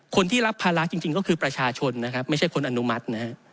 คนที่รับภาระจริงก็คือประชาชนไม่ใช่คนอนุมัติ